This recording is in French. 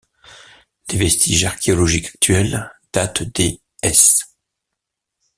Les vestiges archéologiques actuels datent des s.